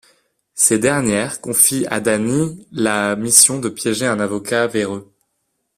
Ces dernières confient à Danny la mission de piéger un avocat véreux.